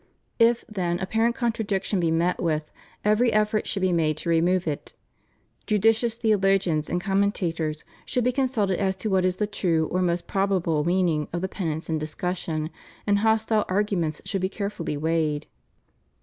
If, then, apparent con tradiction be met with, every effort should be made to remove it. Judicious theologians and commentators should be consulted as to what is the true or most probable meaning of the passage in discussion, and hostile argu ments should be carefully weighed.